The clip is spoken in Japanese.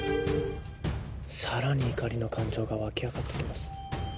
更に怒りの感情が沸き上がってきます。